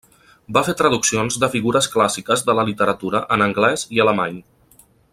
Va fer traduccions de figures clàssiques de la literatura en anglès i alemany.